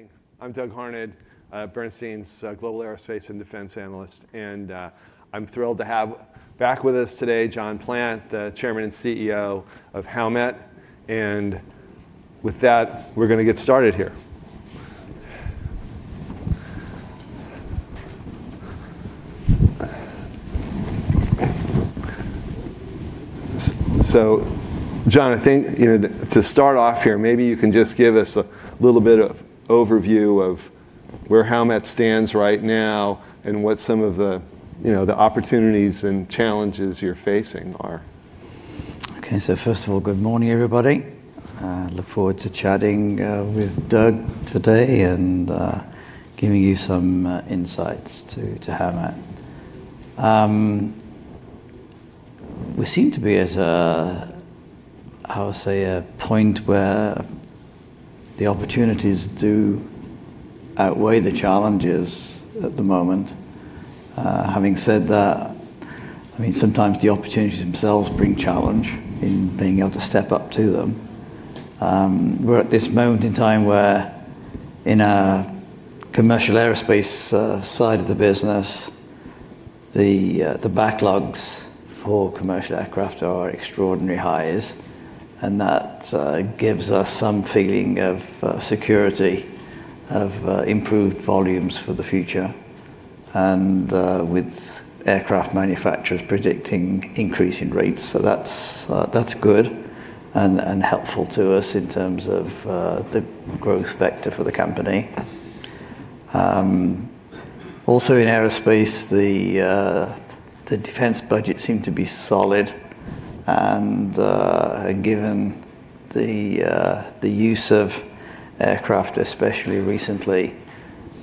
Morning. I'm Doug Harned, Bernstein's Global Aerospace and Defense Analyst, and I'm thrilled to have back with us today, John Plant, the Chairman and CEO of Howmet, and with that, we're going to get started here. John, I think to start off here, maybe you can just give us a little bit of overview of where Howmet stands right now, and what some of the opportunities and challenges you're facing are. Okay. First of all, good morning, everybody. Look forward to chatting with Doug today and giving you some insights to Howmet. We seem to be at a, how I'll say, a point where the opportunities do outweigh the challenges at the moment. Having said that, sometimes the opportunities themselves bring challenge in being able to step up to them. We're at this moment in time where in a commercial aerospace side of the business, the backlogs for commercial aircraft are extraordinarily high, and that gives us some feeling of security of improved volumes for the future, and with aircraft manufacturers predicting increase in rates. That's good and helpful to us in terms of the growth vector for the company. Also in aerospace, the defense budget seemed to be solid, and given the use of aircraft, especially recently,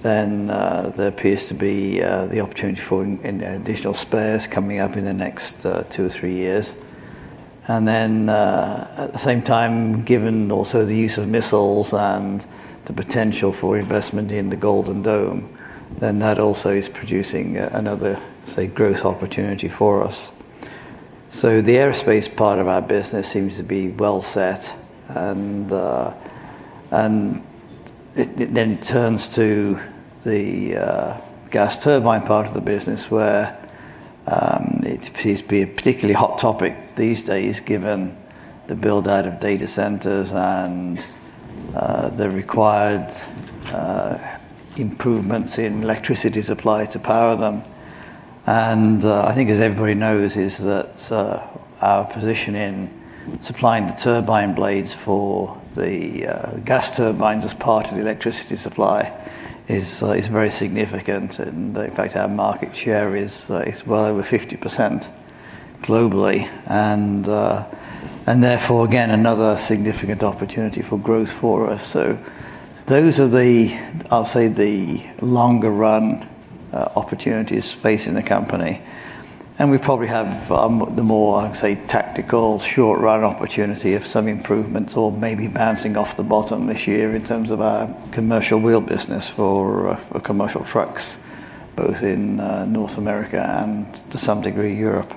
then there appears to be the opportunity for additional spares coming up in the next two or three years. At the same time, given also the use of missiles and the potential for investment in the Golden Dome, then that also is producing another, say, growth opportunity for us. The aerospace part of our business seems to be well set and it then turns to the gas turbine part of the business where it appears to be a particularly hot topic these days, given the build-out of data centers and the required improvements in electricity supply to power them. I think as everybody knows, is that our position in supplying the turbine blades for the gas turbines as part of the electricity supply is very significant. In fact, our market share is well over 50% globally and therefore, again, another significant opportunity for growth for us. Those are the, I'll say, the longer run opportunities facing the company. We probably have the more, I would say, tactical short run opportunity if some improvements or maybe bouncing off the bottom this year in terms of our commercial wheel business for commercial trucks, both in North America and to some degree, Europe.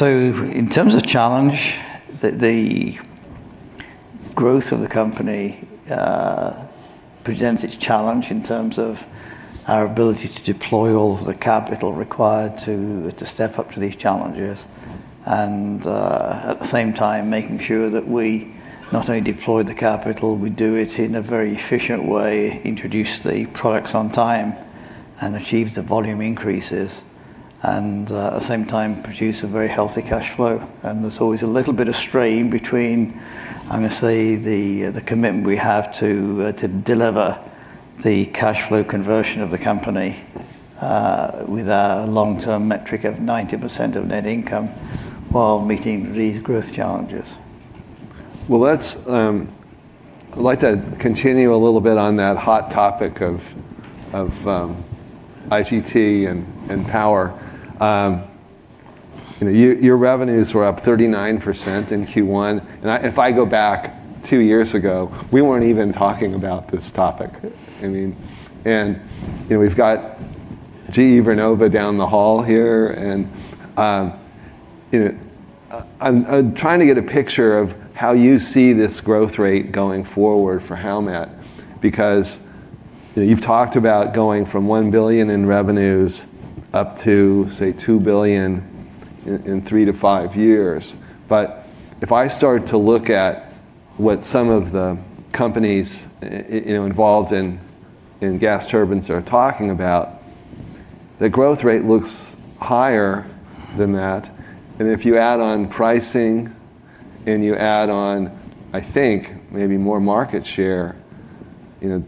In terms of challenge, the growth of the company presents its challenge in terms of our ability to deploy all of the capital required to step up to these challenges. At the same time, making sure that we not only deploy the capital, we do it in a very efficient way, introduce the products on time, and achieve the volume increases and, at the same time, produce a very healthy cash flow. There's always a little bit of strain between, I'm going to say, the commitment we have to deliver the cash flow conversion of the company, with our long-term metric of 90% of net income while meeting these growth challenges. Well, I'd like to continue a little bit on that hot topic of IGT and power. Your revenues were up 39% in Q1. If I go back two years ago, we weren't even talking about this topic. We've got GE Vernova down the hall here. I'm trying to get a picture of how you see this growth rate going forward for Howmet, because you've talked about going from $1 billion in revenues up to, say, $2 billion in three to five years. If I started to look at what some of the companies involved in gas turbines are talking about, the growth rate looks higher than that. If you add on pricing and you add on, I think, maybe more market share, the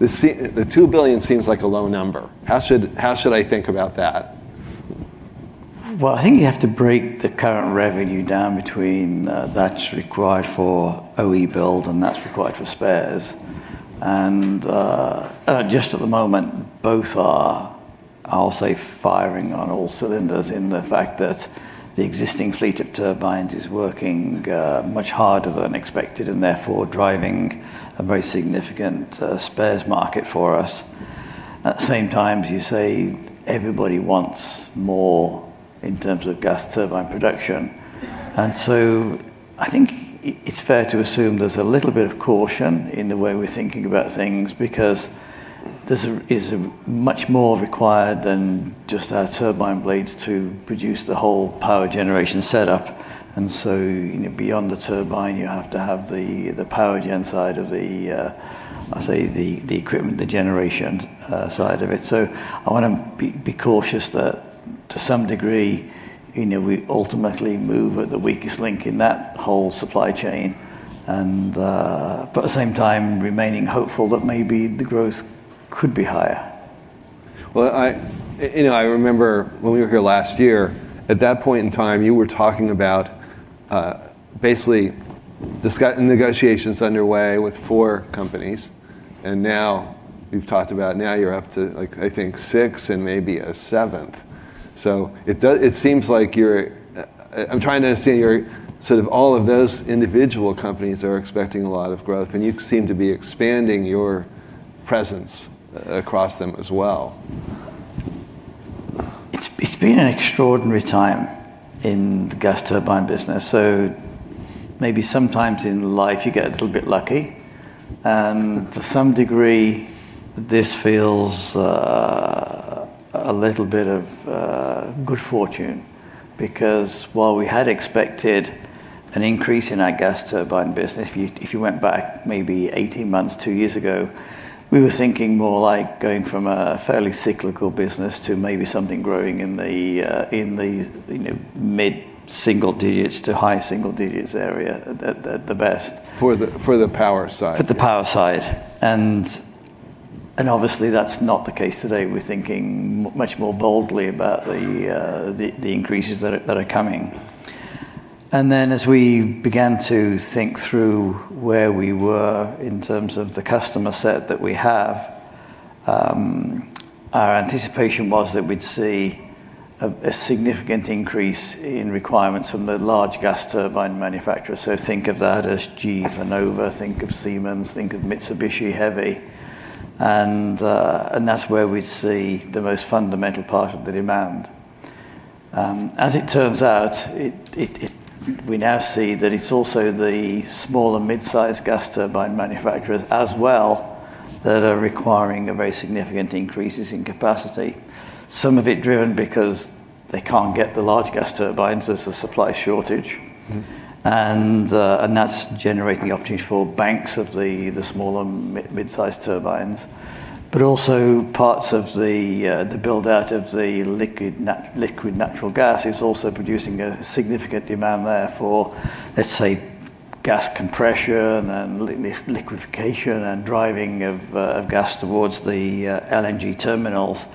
$2 billion seems like a low number. How should I think about that? Well, I think you have to break the current revenue down between that's required for OE build and that's required for spares. Just at the moment, both are, I'll say, firing on all cylinders in the fact that the existing fleet of turbines is working much harder than expected and therefore driving a very significant spares market for us. At the same time, as you say, everybody wants more in terms of gas turbine production. So I think it's fair to assume there's a little bit of caution in the way we're thinking about things, because there is much more required than just our turbine blades to produce the whole power generation setup. So, beyond the turbine, you have to have the power gen side of the, I say the equipment, the generation side of it. I want to be cautious that to some degree, we ultimately move at the weakest link in that whole supply chain, but at the same time remaining hopeful that maybe the growth could be higher. Well, I remember when we were here last year, at that point in time, you were talking about basically negotiations underway with four companies. Now you're up to, I think six and maybe a seventh. It seems like I'm trying to understand, all of those individual companies are expecting a lot of growth, and you seem to be expanding your presence across them as well. It's been an extraordinary time in the gas turbine business. Maybe sometimes in life you get a little bit lucky. To some degree, this feels a little bit of good fortune because while we had expected an increase in our gas turbine business, if you went back maybe 18 months, two years ago, we were thinking more like going from a fairly cyclical business to maybe something growing in the mid-single digits to high single digits area at the best. For the power side? For the power side. Obviously that's not the case today. We're thinking much more boldly about the increases that are coming. Then as we began to think through where we were in terms of the customer set that we have, our anticipation was that we'd see a significant increase in requirements from the large gas turbine manufacturers. Think of that as GE Vernova, think of Siemens, think of Mitsubishi Heavy. That's where we'd see the most fundamental part of the demand. As it turns out, we now see that it's also the small and midsize gas turbine manufacturers as well that are requiring very significant increases in capacity, some of it driven because they can't get the large gas turbines. There's a supply shortage. That's generating opportunities for banks of the small and midsize turbines, but also parts of the build-out of the liquid natural gas is also producing a significant demand there for, let's say, gas compression and liquefaction and driving of gas towards the LNG terminals.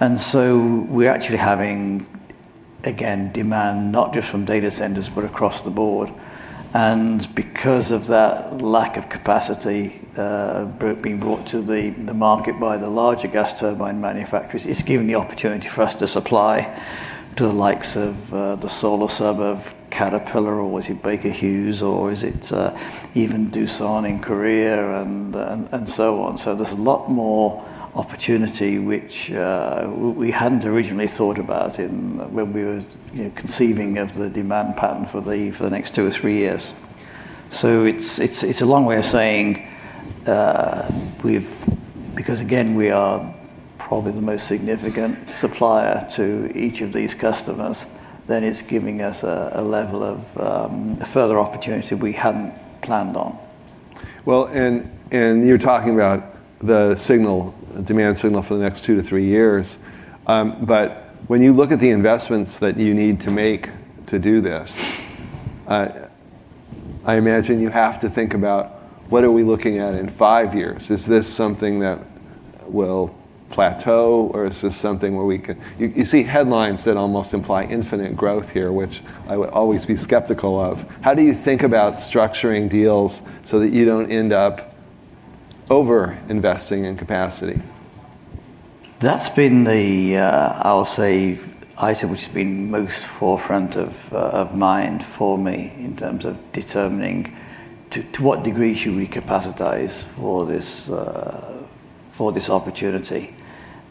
We're actually having, again, demand not just from data centers, but across the board. Because of that lack of capacity being brought to the market by the larger gas turbine manufacturers, it's given the opportunity for us to supply to the likes of the Solar Turbines of Caterpillar, or is it Baker Hughes, or is it even Doosan in Korea, and so on. There's a lot more opportunity which we hadn't originally thought about when we were conceiving of the demand pattern for the next two or three years. It's a long way of saying, because again, we are probably the most significant supplier to each of these customers, then it's giving us a level of further opportunity we hadn't planned on. Well, you're talking about the demand signal for the next two to three years. When you look at the investments that you need to make to do this, I imagine you have to think about what are we looking at in five years? Is this something that will plateau or is this something where You see headlines that almost imply infinite growth here, which I would always be skeptical of. How do you think about structuring deals so that you don't end up over-investing in capacity? That's been the, I'll say, item which has been most forefront of mind for me in terms of determining to what degree should we capacitize for this opportunity.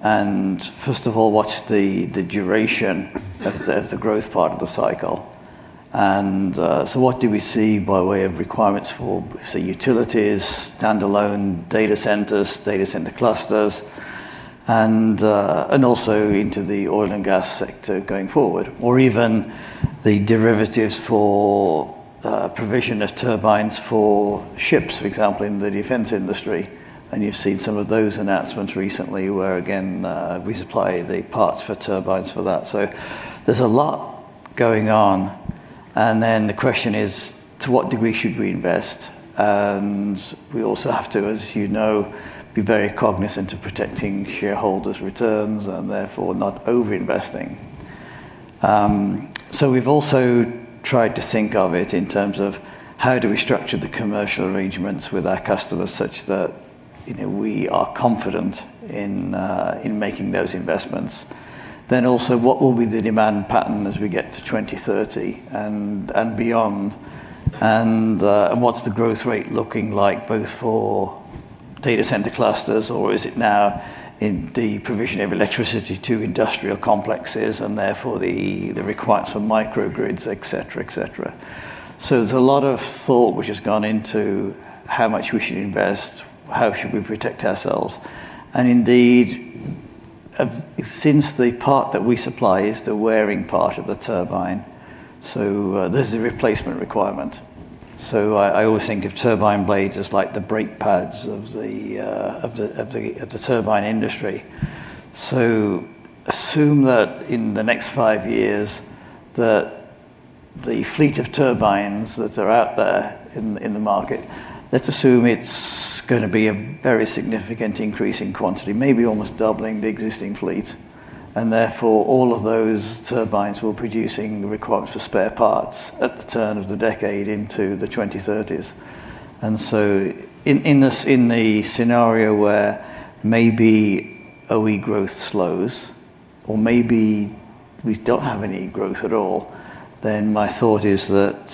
What's the duration of the growth part of the cycle? What do we see by way of requirements for, say, utilities, standalone data centers, data center clusters, and also into the oil and gas sector going forward? The derivatives for provision of turbines for ships, for example, in the defense industry. You've seen some of those announcements recently where, again, we supply the parts for turbines for that. There's a lot going on. The question is, to what degree should we invest? We also have to, as you know, be very cognizant of protecting shareholders' returns and therefore not over-investing. We've also tried to think of it in terms of how do we structure the commercial arrangements with our customers such that we are confident in making those investments? Also what will be the demand pattern as we get to 2030 and beyond? What's the growth rate looking like both for data center clusters? Is it now in the provision of electricity to industrial complexes, and therefore the requirements for microgrids, et cetera? There's a lot of thought which has gone into how much we should invest, how should we protect ourselves? Indeed, since the part that we supply is the wearing part of the turbine, so there's a replacement requirement. I always think of turbine blades as like the brake pads of the turbine industry. Assume that in the next five years that the fleet of turbines that are out there in the market, let's assume it's going to be a very significant increase in quantity, maybe almost doubling the existing fleet. Therefore, all of those turbines will producing the requirements for spare parts at the turn of the decade into the 2030s. In the scenario where maybe OE growth slows, or maybe we don't have any growth at all, then my thought is that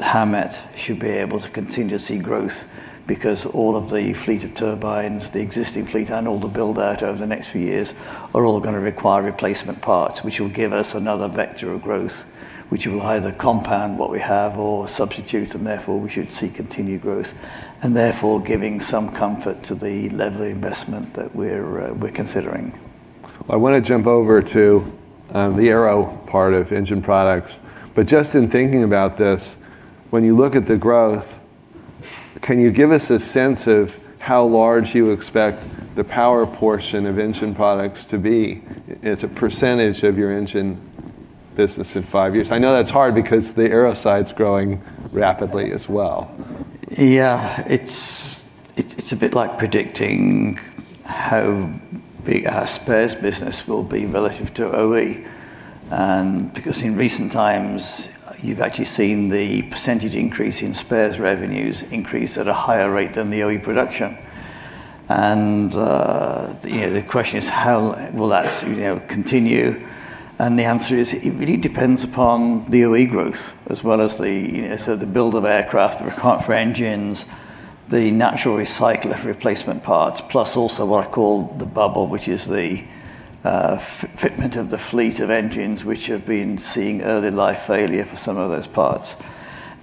Howmet should be able to continue to see growth because all of the fleet of turbines, the existing fleet and all the build out over the next few years, are all going to require replacement parts, which will give us another vector of growth, which will either compound what we have or substitute. Therefore, we should see continued growth. Therefore, giving some comfort to the level of investment that we're considering. I want to jump over to the aero part of Engine Products. Just in thinking about this, when you look at the growth, can you give us a sense of how large you expect the power portion of Engine Products to be as a percentage of your engine business in five years? I know that's hard because the aero side's growing rapidly as well. Yeah. It's a bit like predicting how big our spares business will be relative to OE, because in recent times, you've actually seen the percentage increase in spares revenues increase at a higher rate than the OE production. The question is how will that continue? The answer is, it really depends upon the OE growth as well as the build of aircraft, the requirement for engines, the natural recycle of replacement parts, plus also what I call the bubble, which is the fitment of the fleet of engines which have been seeing early life failure for some of those parts.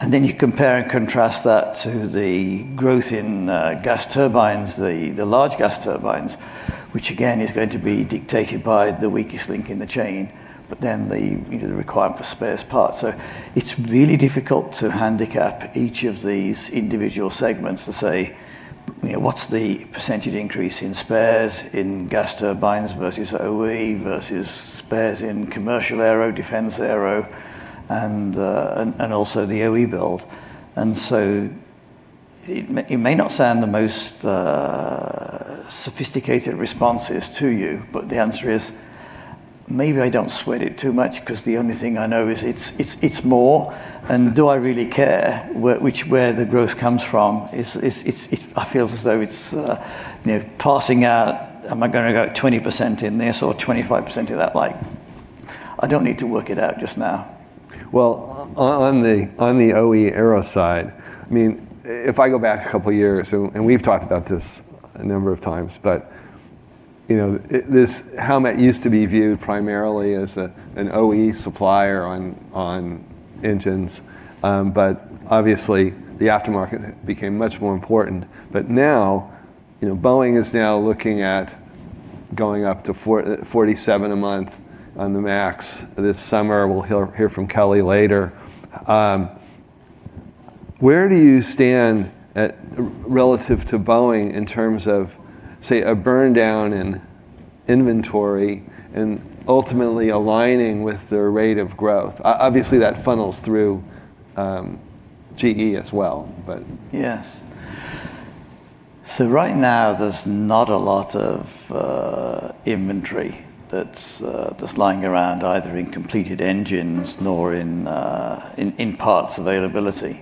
You compare and contrast that to the growth in gas turbines, the large gas turbines, which again, is going to be dictated by the weakest link in the chain, but then the requirement for spares parts. It's really difficult to handicap each of these individual segments to say, what's the percentage increase in spares, in gas turbines versus OE versus spares in commercial aero, defense aero, and also the OE build. It may not sound the most sophisticated responses to you, but the answer is, maybe I don't sweat it too much because the only thing I know is it's more, and do I really care where the growth comes from? It feels as though it's passing out, am I going to go 20% in this or 25% in that? I don't need to work it out just now. Well, on the OE aero side, if I go back a couple of years, and we've talked about this a number of times, Howmet used to be viewed primarily as an OE supplier on engines. Obviously, the aftermarket became much more important. Now, Boeing is now looking at going up to 47 a month on the MAX this summer. We'll hear from Kelly later. Where do you stand relative to Boeing in terms of, say, a burn-down in inventory and ultimately aligning with their rate of growth? Obviously, that funnels through GE Aerospace as well. Yes. Right now, there's not a lot of inventory that's just lying around, either in completed engines nor in parts availability.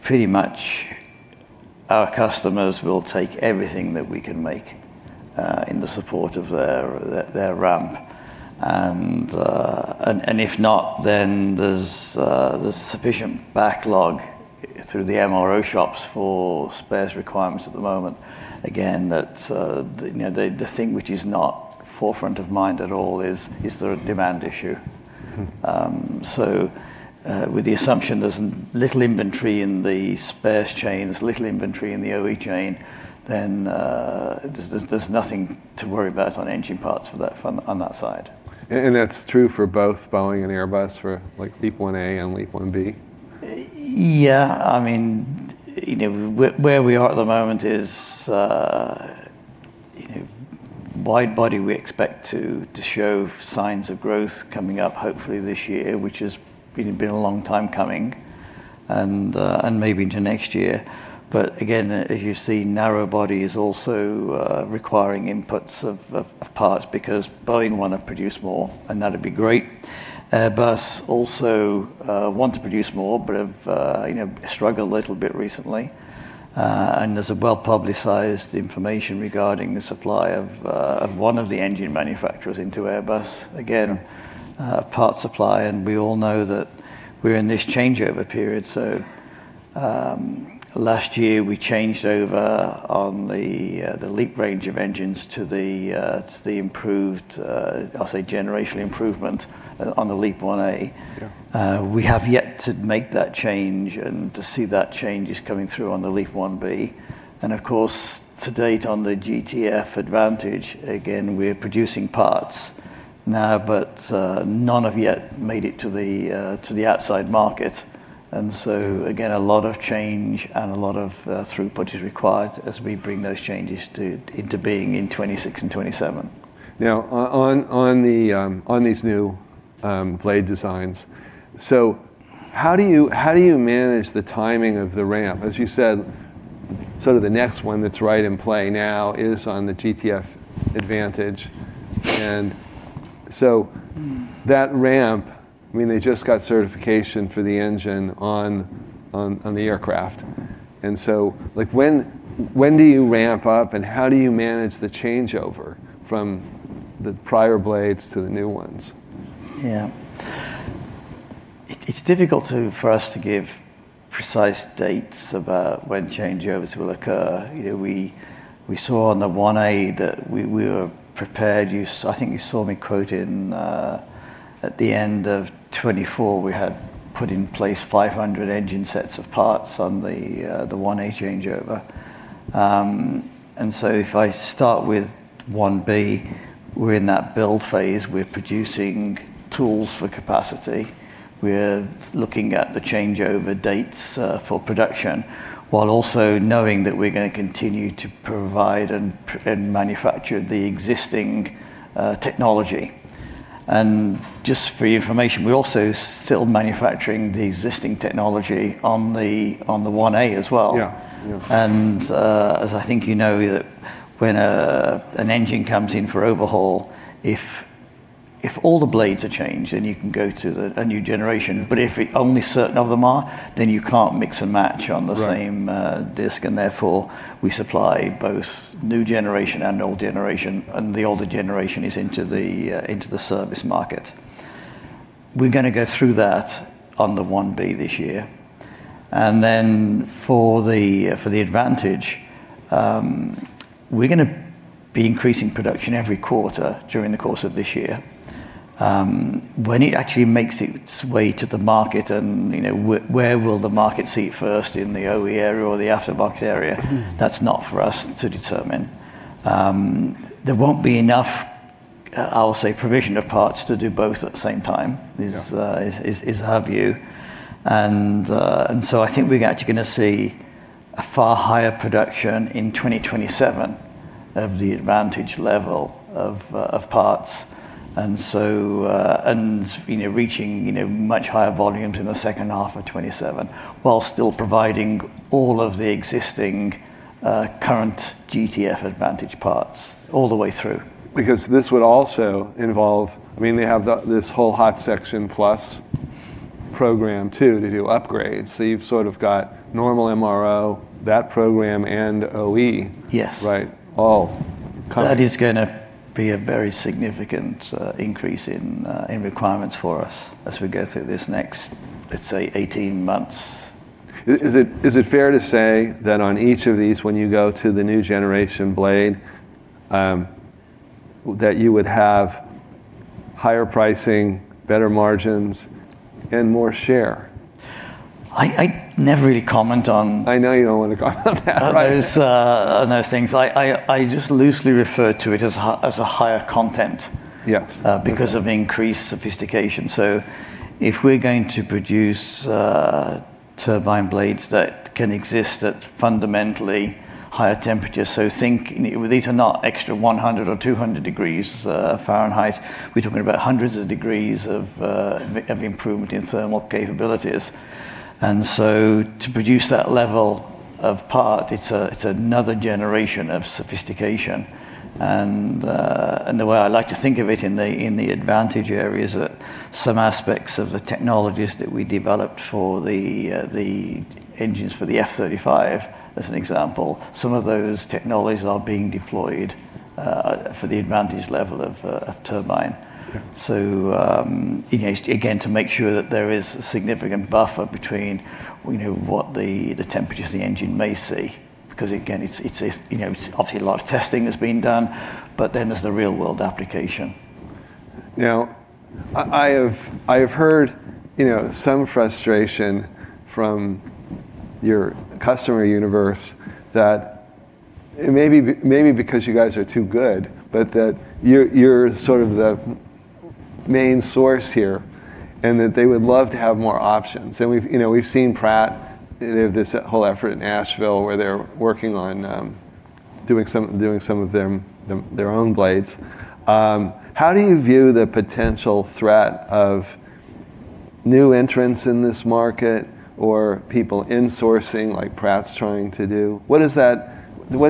Pretty much our customers will take everything that we can make in the support of their ramp. If not, then there's sufficient backlog through the MRO shops for spares requirements at the moment. Again, the thing which is not forefront of mind at all is there a demand issue. With the assumption there's little inventory in the spares chain, there's little inventory in the OE chain, then there's nothing to worry about on engine parts on that side. That's true for both Boeing and Airbus for LEAP-1A and LEAP-1B? Yeah. Where we are at the moment is wide-body we expect to show signs of growth coming up hopefully this year, which has been a long time coming, and maybe into next year. Again, as you see, narrow-body is also requiring inputs of parts because Boeing want to produce more, and that'd be great. Airbus also want to produce more, have struggled a little bit recently. There's a well-publicized information regarding the supply of one of the engine manufacturers into Airbus. Again, parts supply. We all know that we're in this changeover period. Last year, we changed over on the LEAP range of engines to the improved, I'll say, generational improvement on the LEAP-1A. Yeah. We have yet to make that change and to see that change is coming through on the LEAP-1B. Of course, to date on the GTF Advantage, again, we're producing parts now, but none have yet made it to the outside market. Again, a lot of change and a lot of throughput is required as we bring those changes into being in 2026 and 2027. Now, on these new blade designs, so how do you manage the timing of the ramp? As you said, sort of the next one that's right in play now is on the GTF Advantage. That ramp, I mean, they just got certification for the engine on the aircraft. When do you ramp up, and how do you manage the changeover from the prior blades to the new ones? Yeah. It's difficult for us to give precise dates about when changeovers will occur. We saw on the 1A that we were prepared. I think you saw me quote at the end of 2024, we had put in place 500 engine sets of parts on the 1A changeover. If I start with 1B, we're in that build phase, we're producing tools for capacity. We're looking at the changeover dates for production, while also knowing that we're going to continue to provide and manufacture the existing technology. Just for your information, we're also still manufacturing the existing technology on the 1A as well. Yeah. As I think you know that when an engine comes in for overhaul, if all the blades are changed, then you can go to a new generation. If only certain of them are, then you can't mix and match. Right. On the same disc, therefore we supply both new generation and old generation, and the older generation is into the service market. We're going to go through that on the 1B this year. Then for the Advantage, we're going to be increasing production every quarter during the course of this year. When it actually makes its way to the market and where will the market see it first in the OE area or the aftermarket area. That's not for us to determine. There won't be enough, I'll say, provision of parts to do both at the same time. Yeah It is our view. I think we're actually going to see a far higher production in 2027 of the Advantage level of parts. Reaching much higher volumes in the second half of 2027, while still providing all of the existing current GTF Advantage parts all the way through. Because this would also involve, I mean, they have this whole Hot Section Plus program too to do upgrades. You've sort of got normal MRO, that program, and OE. Yes. Right. All coming. That is going to be a very significant increase in requirements for us as we go through this next, let's say, 18 months. Is it fair to say that on each of these, when you go to the new generation blade, that you would have higher pricing, better margins, and more share? I never really comment on- I know you don't want to comment on that right. on those things. I just loosely refer to it as a higher content- Yes because of increased sophistication. If we're going to produce turbine blades that can exist at fundamentally higher temperatures, so these are not extra 100 or 200 degrees Fahrenheit, we're talking about hundreds of degrees of improvement in thermal capabilities. to produce that level of part, it's another generation of sophistication. The way I like to think of it in the Advantage areas are some aspects of the technologies that we developed for the engines for the F-35, as an example. Some of those technologies are being deployed for the Advantage level of turbine. Yeah. To make sure that there is a significant buffer between what the temperatures the engine may see, because again, obviously a lot of testing has been done, but then there's the real-world application. Now, I have heard some frustration from your customer universe that maybe because you guys are too good, but that you're sort of the main source here, and that they would love to have more options. We've seen Pratt, they have this whole effort in Asheville where they're working on doing some of their own blades. How do you view the potential threat of new entrants in this market or people insourcing like Pratt's trying to do? What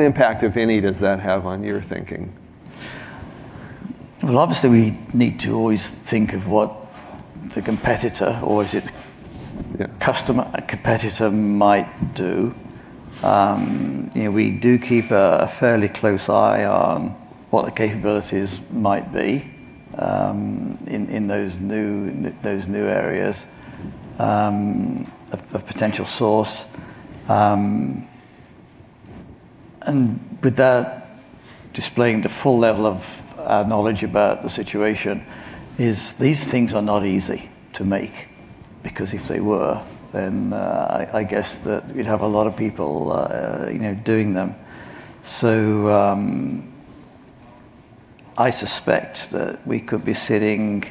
impact, if any, does that have on your thinking? Well, obviously we need to always think of what the competitor might do. Yeah. We do keep a fairly close eye on what the capabilities might be in those new areas of potential source. Without displaying the full level of our knowledge about the situation, as these things are not easy to make. If they were, then I guess that you'd have a lot of people doing them. I suspect that we could be sitting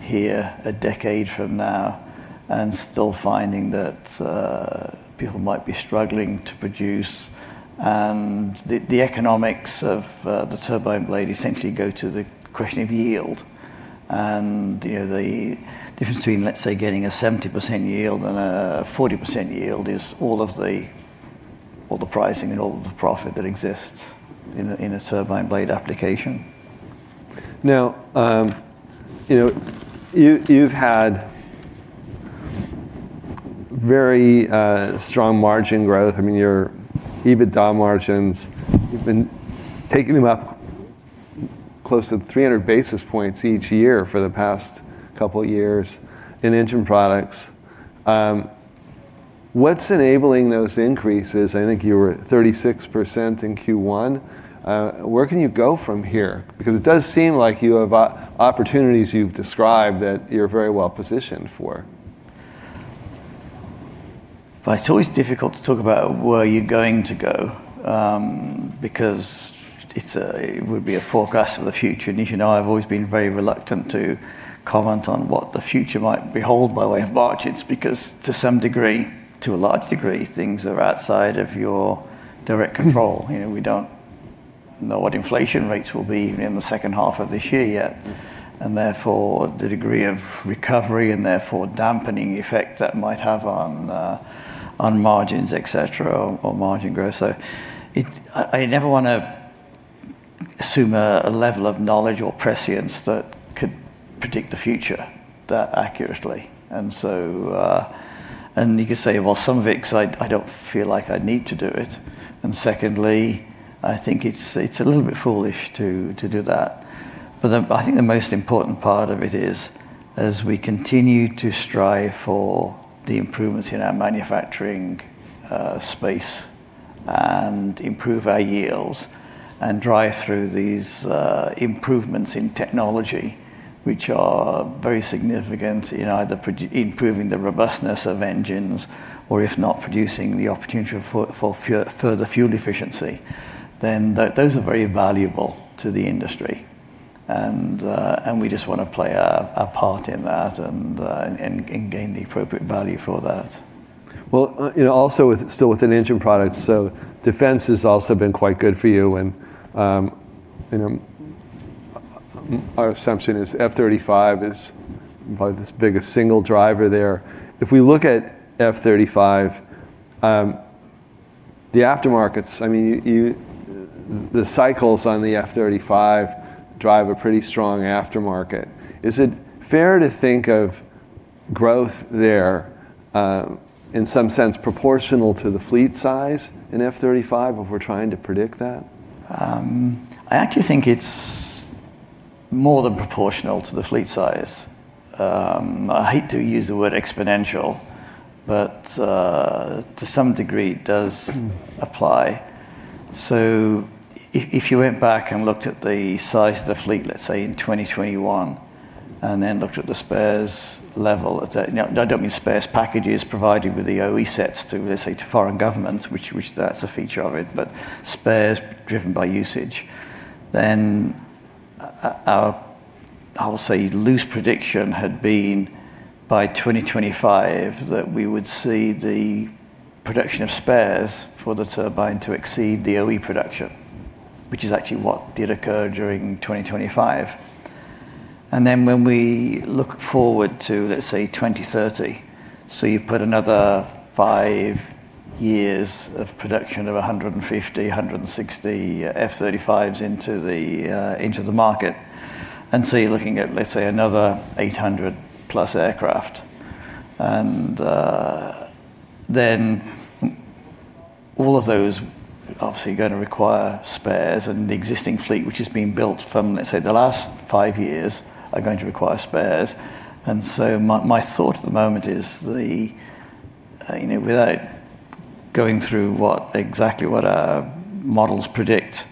here a decade from now and still finding that people might be struggling to produce. The economics of the turbine blade essentially go to the question of yield. The difference between, let's say, getting a 70% yield and a 40% yield is all of the pricing and all of the profit that exists in a turbine blade application. You've had very strong margin growth. Your EBITDA margins, you've been taking them up close to 300 basis points each year for the past couple years in Engine Products. What's enabling those increases? I think you were at 36% in Q1. Where can you go from here? Because it does seem like you have opportunities you've described that you're very well positioned for. Well, it's always difficult to talk about where you're going to go, because it would be a forecast for the future. As you know, I've always been very reluctant to comment on what the future might hold by way of margins, because to some degree, to a large degree, things are outside of your direct control. We don't know what inflation rates will be in the second half of this year yet, and therefore, the degree of recovery, and therefore dampening effect that might have on margins, et cetera, or margin growth. I never want to assume a level of knowledge or prescience that could predict the future that accurately. You could say, well, some of it's because I don't feel like I need to do it, and secondly, I think it's a little bit foolish to do that. I think the most important part of it is as we continue to strive for the improvements in our manufacturing space, and improve our yields, and drive through these improvements in technology, which are very significant in either improving the robustness of engines or if not producing the opportunity for further fuel efficiency, then those are very valuable to the industry. We just want to play a part in that and gain the appropriate value for that. Well, also still within Engine Products, so defense has also been quite good for you and our assumption is F-35 is probably this biggest single driver there. If we look at F-35, the aftermarkets, the cycles on the F-35 drive a pretty strong aftermarket. Is it fair to think of growth there in some sense proportional to the fleet size in F-35 if we're trying to predict that? I actually think it's more than proportional to the fleet size. I hate to use the word exponential, but to some degree it does apply. If you went back and looked at the size of the fleet, let's say in 2021, and then looked at the spares level at that. Now, I don't mean spares packages provided with the OE sets to, let's say, to foreign governments, which that's a feature of it, but spares driven by usage. I will say, loose prediction had been by 2025, that we would see the production of spares for the turbine to exceed the OE production, which is actually what did occur during 2025. When we look forward to, let's say, 2030, so you put another five years of production of 150, 160 F-35s into the market, and so you're looking at, let's say, another 800+ aircraft. All of those obviously going to require spares and the existing fleet, which has been built from, let's say, the last five years, are going to require spares. My thought at the moment is, without going through exactly what our models predict,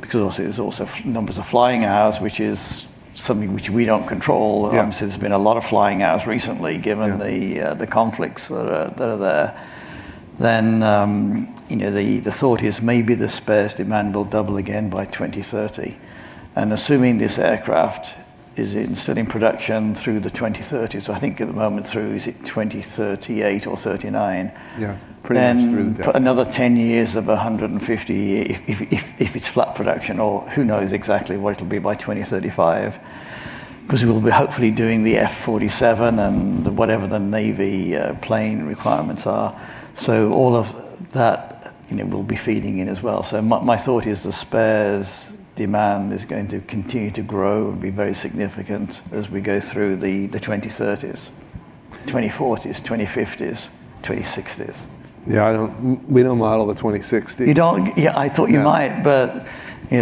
because obviously there's also numbers of flying hours, which is something which we don't control. Yeah. Obviously, there's been a lot of flying hours recently given the conflicts that are there. The thought is maybe the spares demand will double again by 2030, and assuming this aircraft is in selling production through the 2030s. I think at the moment through, is it 2038 or 2039? Yeah. Pretty much through there. Put another 10 years of 150, if it's flat production or who knows exactly what it'll be by 2035. Because we'll be hopefully doing the F-47 and whatever the Navy plane requirements are. All of that will be feeding in as well. My thought is the spares demand is going to continue to grow and be very significant as we go through the 2030s, 2040s, 2050s, 2060s. Yeah, we don't model the 2060s. You don't? Yeah, I thought you might.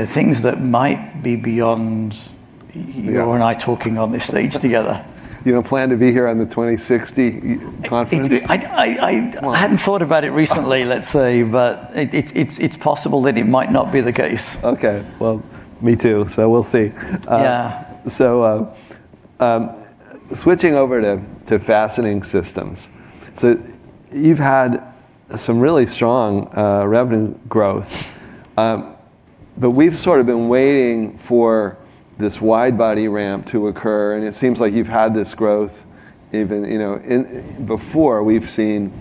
Things that might be beyond. Yeah You and I talking on this stage together. You don't plan to be here on the 2060 conference? I hadn't thought about it recently, let's say, but it's possible that it might not be the case. Okay. Well, me too, we'll see. Yeah. Switching over to fastening systems. you've had some really strong revenue growth, but we've sort of been waiting for this widebody ramp to occur, and it seems like you've had this growth even before we've seen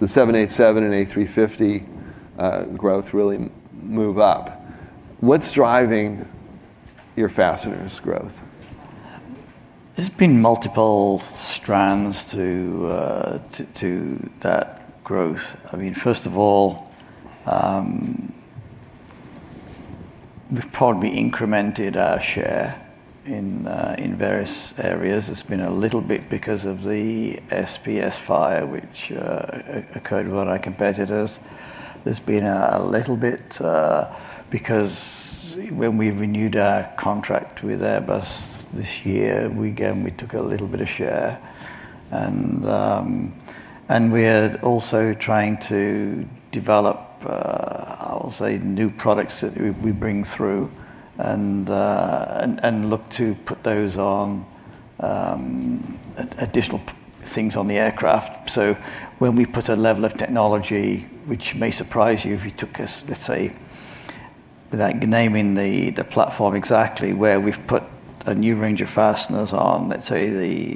the 787 and A350 growth really move up. What's driving your fasteners growth? There's been multiple strands to that growth. First of all, we've probably incremented our share in various areas. It's been a little bit because of the SPS fire, which occurred with one of our competitors. There's been a little bit because when we renewed our contract with Airbus this year, again, we took a little bit of share. We're also trying to develop, I would say, new products that we bring through and look to put those on additional things on the aircraft. When we put a level of technology, which may surprise you if you took us, let's say, without naming the platform exactly, where we've put a new range of fasteners on, let's say,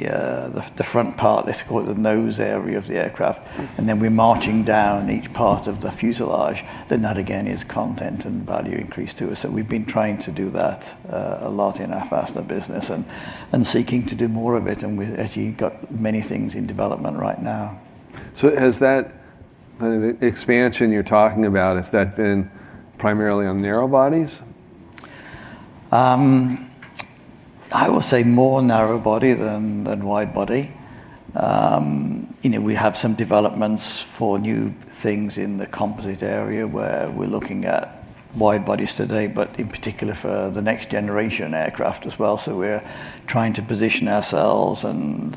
the front part, let's call it the nose area of the aircraft, and then we're marching down each part of the fuselage, then that again is content and value increase to us. We've been trying to do that a lot in our fastener business and seeking to do more of it, and we've actually got many things in development right now. Has that expansion you're talking about, has that been primarily on narrowbodies? I would say more narrowbody than widebody. We have some developments for new things in the composite area where we're looking at widebodies today, but in particular for the next generation aircraft as well. We're trying to position ourselves and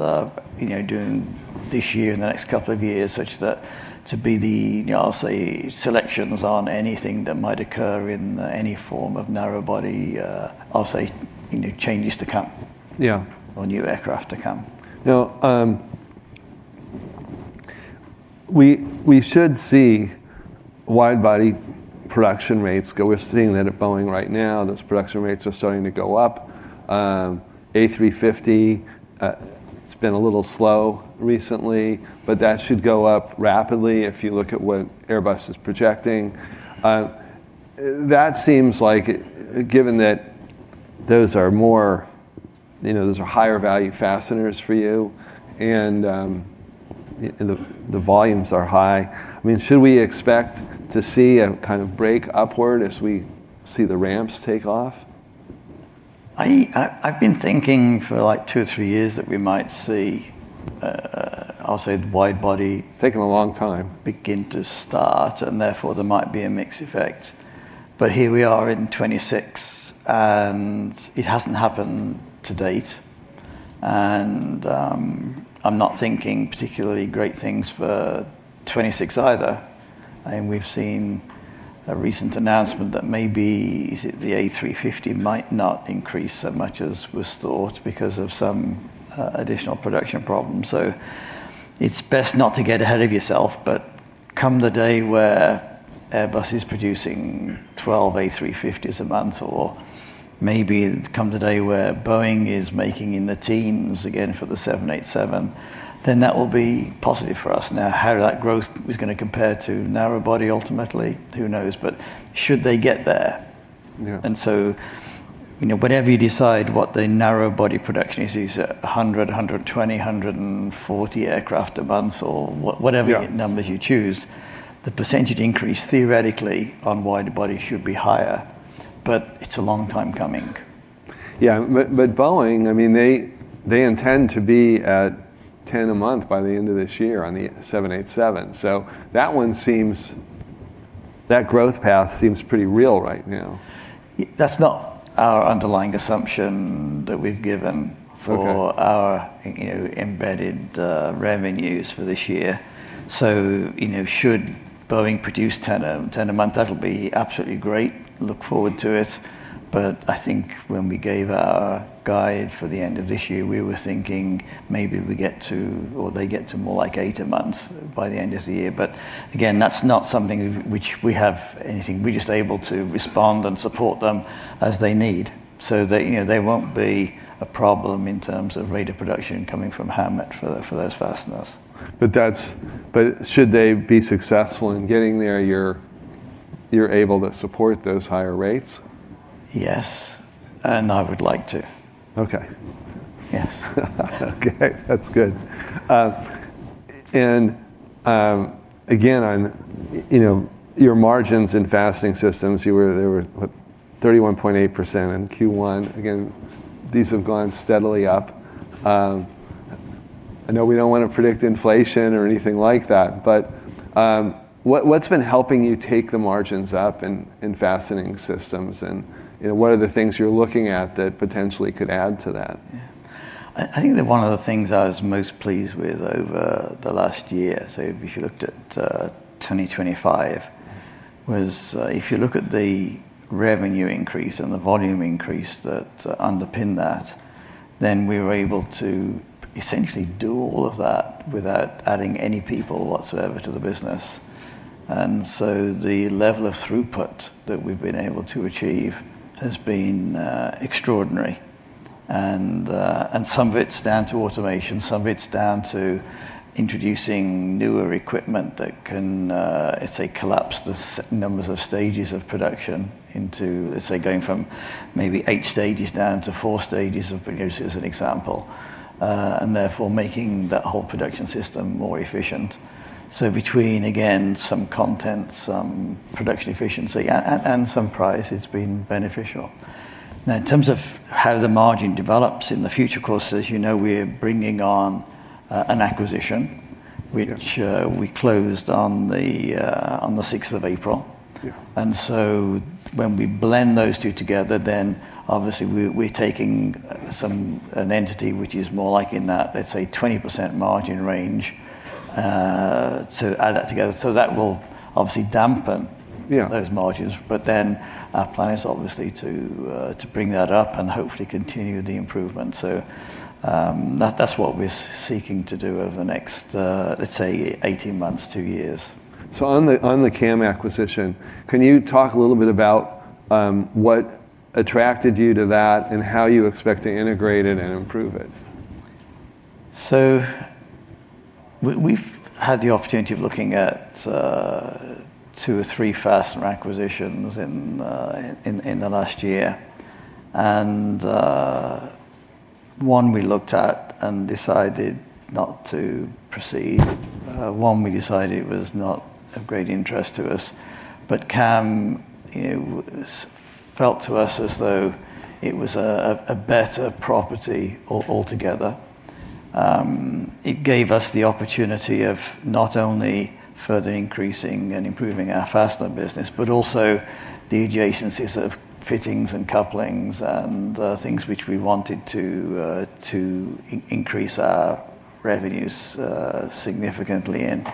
doing this year and the next couple of years such that to be the, I'll say, selections on anything that might occur in any form of narrowbody, I'll say, changes to come. Yeah. A new aircraft to come. We're seeing that at Boeing right now, those production rates are starting to go up. A350, it's been a little slow recently, but that should go up rapidly if you look at what Airbus is projecting. That seems like, given that those are higher value fasteners for you, and the volumes are high, should we expect to see a kind of break upward as we see the ramps take off? I've been thinking for two or three years that we might see, I'll say the widebody. It's taken a long time. Therefore there might be a mix effect. Here we are in 2026, and it hasn't happened to date. I'm not thinking particularly great things for 2026 either. We've seen a recent announcement that maybe the A350 might not increase as much as was thought because of some additional production problems. It's best not to get ahead of yourself, but come the day where Airbus is producing 12 A350s a month, or maybe come the day where Boeing is making in the teens again for the 787, then that will be positive for us. Now, how that growth is going to compare to narrowbody ultimately, who knows? Should they get there. Yeah. Whatever you decide what the narrowbody production is, these 100, 120, 140 aircraft a month or whatever- Yeah numbers you choose, the percentage increase theoretically on widebody should be higher. It's a long time coming. Yeah. Boeing, they intend to be at 10 a month by the end of this year on the 787. That one, that growth path seems pretty real right now. That's not our underlying assumption that we've given- Okay for our embedded revenues for this year. Should Boeing produce 10 a month, that'll be absolutely great, look forward to it. I think when we gave our guide for the end of this year, we were thinking maybe we get to, or they get to more like eight a month by the end of the year. Again, that's not something which we have anything. We're just able to respond and support them as they need. They won't be a problem in terms of rate of production coming from Howmet for those fasteners. Should they be successful in getting there, you're able to support those higher rates? Yes, I would like to. Okay. Yes. Okay. That's good. again on your margins in Fastening Systems, they were, what, 31.8% in Q1. Again, these have gone steadily up. I know we don't want to predict inflation or anything like that, but what's been helping you take the margins up in Fastening Systems, and what are the things you're looking at that potentially could add to that? Yeah. I think that one of the things I was most pleased with over the last year, so if you looked at 2025, was if you look at the revenue increase and the volume increase that underpin that, then we were able to essentially do all of that without adding any people whatsoever to the business. The level of throughput that we've been able to achieve has been extraordinary. Some of it's down to automation, some of it's down to introducing newer equipment that can, let's say, collapse the numbers of stages of production into, let's say, going from maybe eight stages down to four stages, as an example. Therefore making that whole production system more efficient. Between, again, some content, some production efficiency, and some price, it's been beneficial. Now, in terms of how the margin develops in the future, of course, as you know, we're bringing on an acquisition- Yeah which we closed on April 6th. Yeah. When we blend those two together, then obviously we're taking an entity which is more like in that, let's say, 20% margin range, to add that together. That will obviously dampen- Yeah those margins. Our plan is obviously to bring that up and hopefully continue the improvement. That's what we're seeking to do over the next, let's say 18 months, two years. On the CAM acquisition, can you talk a little bit about what attracted you to that, and how you expect to integrate it and improve it? We've had the opportunity of looking at two or three fastener acquisitions in the last year. One we looked at and decided not to proceed. One we decided was not of great interest to us. CAM felt to us as though it was a better property altogether. It gave us the opportunity of not only further increasing and improving our fastener business, but also the adjacencies of fittings and couplings and things which we wanted to increase our revenues significantly in.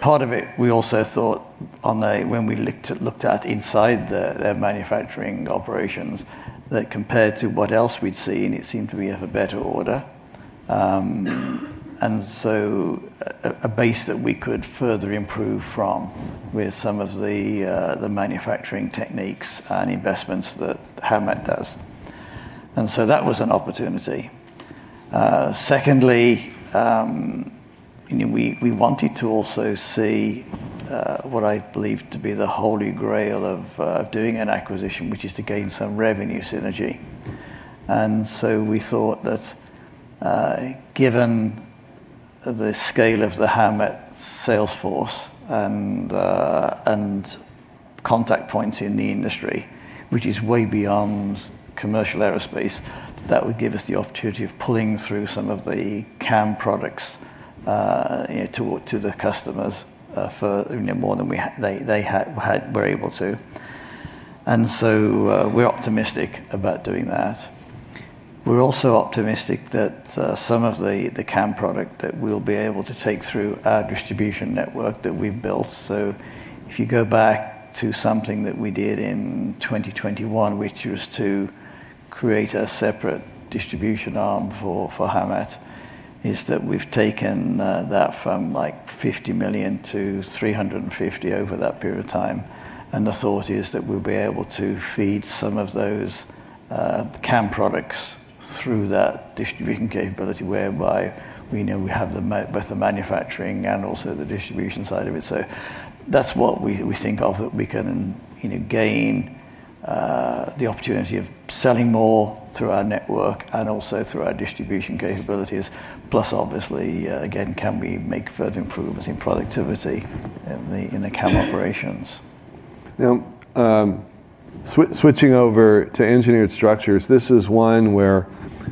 Part of it, we also thought when we looked at inside their manufacturing operations, that compared to what else we'd seen, it seemed to be of a better order, a base that we could further improve from with some of the manufacturing techniques and investments that Howmet does. That was an opportunity. Secondly, we wanted to also see what I believe to be the holy grail of doing an acquisition, which is to gain some revenue synergy. We thought that given the scale of the Howmet sales force and contact points in the industry, which is way beyond commercial aerospace, that would give us the opportunity of pulling through some of the CAM products to the customers for more than they were able to. We're optimistic about doing that. We're also optimistic that some of the CAM product that we'll be able to take through our distribution network that we've built. If you go back to something that we did in 2021, which was to create a separate distribution arm for Howmet, is that we've taken that from $50 million to $350 million over that period of time. The thought is that we'll be able to feed some of those CAM products through that distribution capability, whereby we know we have both the manufacturing and also the distribution side of it. That's what we think of, that we can gain the opportunity of selling more through our network and also through our distribution capabilities. Plus obviously, again, can we make further improvements in productivity in the CAM operations? Now, switching over to Engineered Structures. This is one where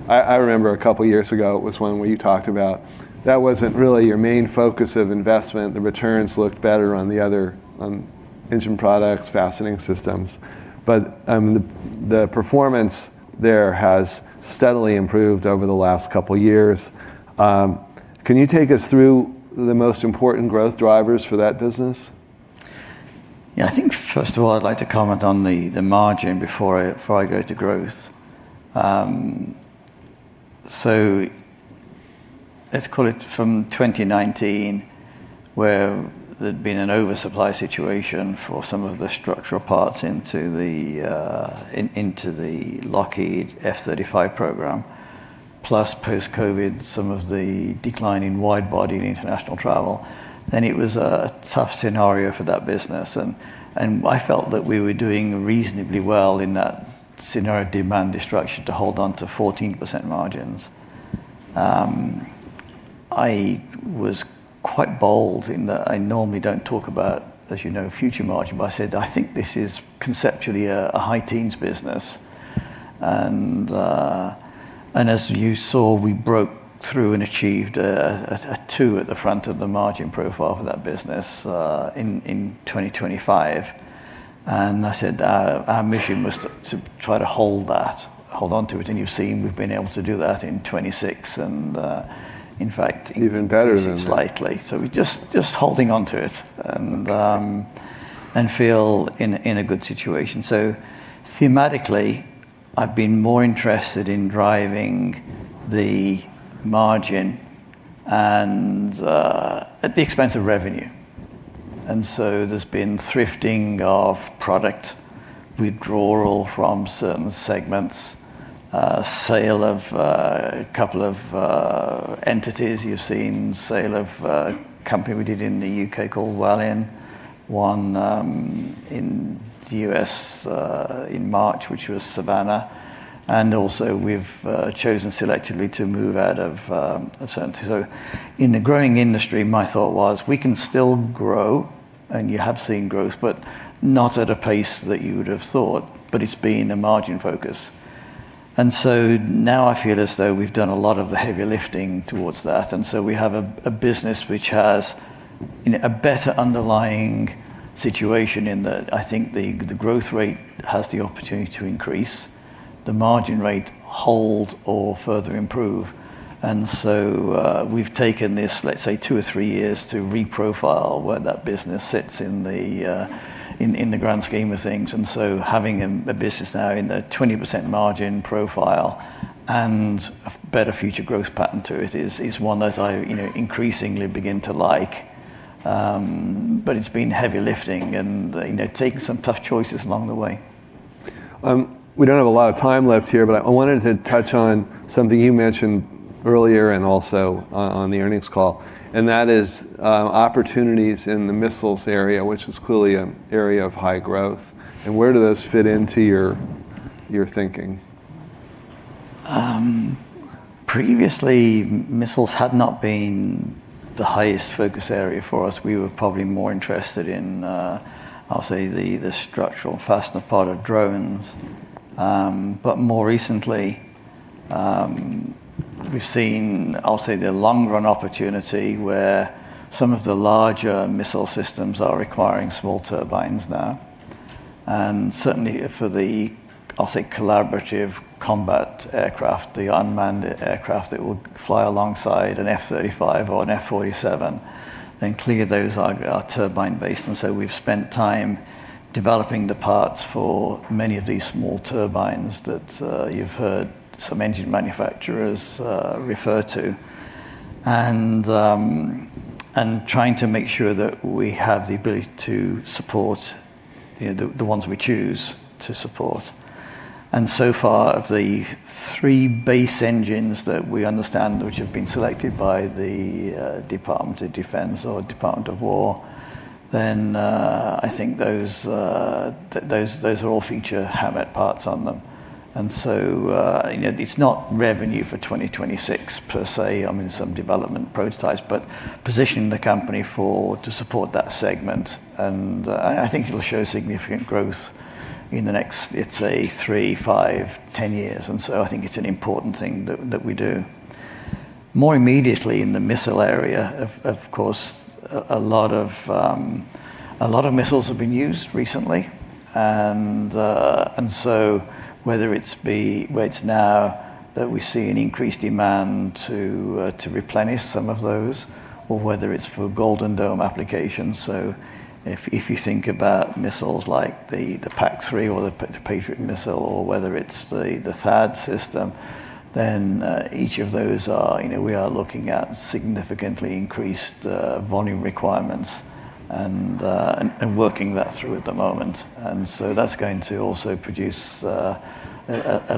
I remember a couple years ago, it was one where you talked about that wasn't really your main focus of investment. The returns looked better on the other Engine Products, Fastening Systems. The performance there has steadily improved over the last couple years. Can you take us through the most important growth drivers for that business? Yeah. I think first of all, I'd like to comment on the margin before I go to growth. Let's call it from 2019, where there'd been an oversupply situation for some of the structural parts into the Lockheed F-35 program. Plus post-COVID, some of the decline in wide body and international travel, it was a tough scenario for that business. I felt that we were doing reasonably well in that scenario demand destruction to hold onto 14% margins. I was quite bold in that I normally don't talk about, as you know, future margin, but I said, I think this is conceptually a high teens business. As you saw, we broke through and achieved a two at the front of the margin profile for that business in 2025. I said our mission was to try to hold that, hold onto it, and you've seen we've been able to do that in 2026, and in fact- Even better than that. slightly. We're just holding onto it, and feel in a good situation. Thematically, I've been more interested in driving the margin at the expense of revenue. There's been thrifting of product, withdrawal from certain segments, sale of a couple of entities. You've seen sale of a company we did in the U.K. called [Wellen]. One in the U.S. in March, which was Savannah. Also we've chosen selectively to move out of certainty. In the growing industry, my thought was we can still grow, and you have seen growth, but not at a pace that you would've thought, but it's been a margin focus. Now I feel as though we've done a lot of the heavy lifting towards that, and so we have a business which has a better underlying situation in that I think the growth rate has the opportunity to increase, the margin rate hold or further improve. We've taken this, let's say two or three years to reprofile where that business sits in the grand scheme of things. Having a business now in the 20% margin profile and a better future growth pattern to it is one that I increasingly begin to like. It's been heavy lifting and taking some tough choices along the way. We don't have a lot of time left here, but I wanted to touch on something you mentioned earlier and also on the earnings call. That is opportunities in the missiles area, which is clearly an area of high growth. Where do those fit into your thinking? Previously, missiles had not been the highest focus area for us. We were probably more interested in, I'll say, the structural fastener part of drones. More recently, we've seen, I'll say, the long-run opportunity where some of the larger missile systems are requiring small turbines now. Certainly for the, I'll say, collaborative combat aircraft, the unmanned aircraft that will fly alongside an F-35 or an F-47, then clearly those are turbine based. We've spent time developing the parts for many of these small turbines that you've heard some engine manufacturers refer to, and trying to make sure that we have the ability to support the ones we choose to support. Far, of the three base engines that we understand which have been selected by the Department of Defense or Department of War, then I think those all feature Howmet parts on them. It's not revenue for 2026 per se, some development prototypes, but positioning the company to support that segment, and I think it'll show significant growth in the next, let's say three, five, 10 years. I think it's an important thing that we do. More immediately in the missile area, of course, a lot of missiles have been used recently, and so whether it's now that we see an increased demand to replenish some of those, or whether it's for Golden Dome applications. If you think about missiles like the PAC-3 or the Patriot missile or whether it's the THAAD system, then each of those we are looking at significantly increased volume requirements and working that through at the moment. That's going to also produce a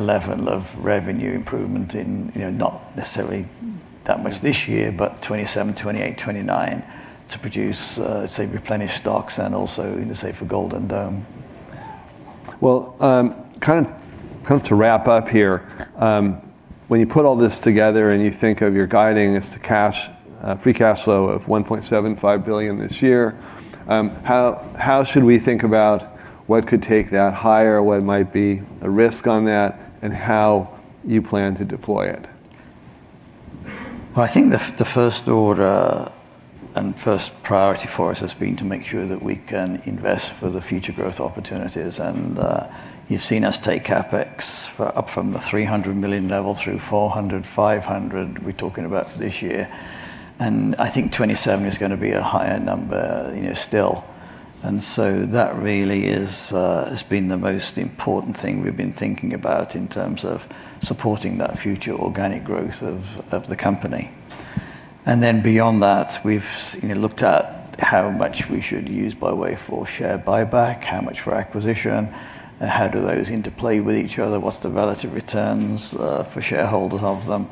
level of revenue improvement in not necessarily that much this year, but 2027, 2028, 2029 to produce, let's say, replenished stocks and also for Golden Dome. Well, to wrap up here, when you put all this together and you think of your guidance to free cash flow of $1.75 billion this year, how should we think about what could take that higher, what might be a risk on that, and how you plan to deploy it? Well, I think the first order and first priority for us has been to make sure that we can invest for the future growth opportunities. You've seen us take CapEx up from the $300 million level through $400 million, $500 million we're talking about for this year. I think 27 is going to be a higher number still. That really has been the most important thing we've been thinking about in terms of supporting that future organic growth of the company. Beyond that, we've looked at how much we should use by way for share buyback, how much for acquisition, and how do those interplay with each other? What's the relative returns for shareholders of them?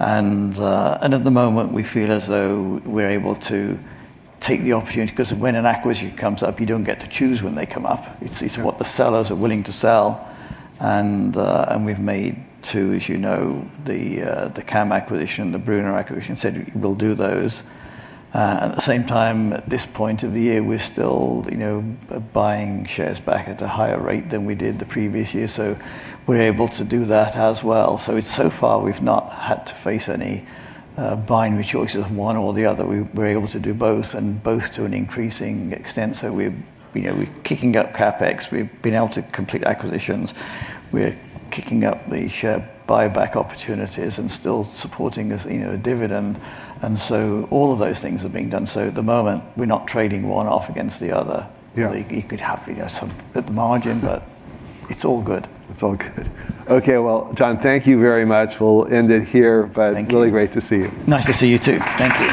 At the moment, we feel as though we're able to take the opportunity because when an acquisition comes up, you don't get to choose when they come up. Sure. It's what the sellers are willing to sell. We've made two, as you know, the CAM acquisition, the Brunner acquisition, said we'll do those. At the same time, at this point of the year, we're still buying shares back at a higher rate than we did the previous year, so we're able to do that as well. Far we've not had to face any binary choices of one or the other. We were able to do both and both to an increasing extent. We're kicking up CapEx, we've been able to complete acquisitions, we're kicking up the share buyback opportunities, and still supporting a dividend. All of those things are being done. At the moment, we're not trading one off against the other. Yeah. You could have some at the margin, but it's all good. It's all good. Okay, well John, thank you very much. We'll end it here. Thank you. Really great to see you. Nice to see you too. Thank you.